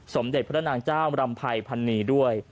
สมเด็จพระนางเจ้ารำภัยพันนีด้วย